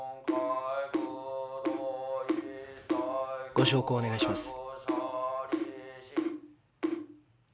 ご焼香をお願いします。